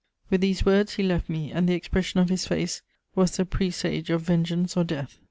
"With these words he left me, and the expression of his face was the presage of vengeance or death.